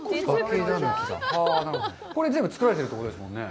これ、全部作られているってことですもんね？